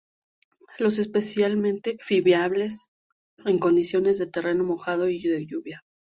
Son especialmente fiables en condiciones de terreno mojado y de lluvia.